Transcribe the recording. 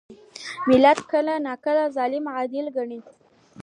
ملت کله ناکله ظالم عادي ګڼي.